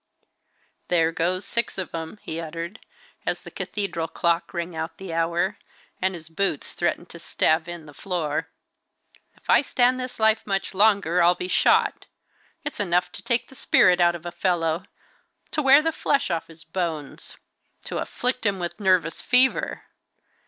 "There goes six of 'em!" he uttered, as the cathedral clock rang out the hour, and his boots threatened to stave in the floor. "If I stand this life much longer, I'll be shot! It's enough to take the spirit out of a fellow; to wear the flesh off his bones; to afflict him with nervous fever.